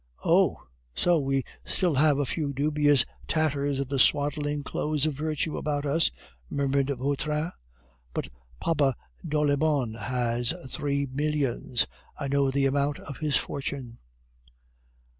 "Oh! so we still have a few dubious tatters of the swaddling clothes of virtue about us!" murmured Vautrin. "But Papa Doliban has three millions; I know the amount of his fortune.